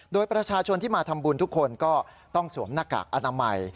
โดยประชาชนที่มาทำบุญทุกคนก็ต้องสวมหน้ากากอนามัย